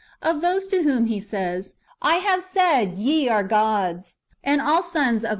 [Of those] to whom He says, "I have said. Ye are gods, and all sons of 1 Ps.' ex. 1.